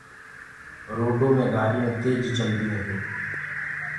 روڊو مي گآڏيونٚ تيج چلديونٚ هينٚ